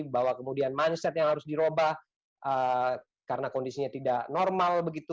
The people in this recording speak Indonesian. bahwa kemudian mindset yang harus dirobah karena kondisinya tidak normal begitu